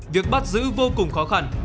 việc bắt giữ vô cùng khó khăn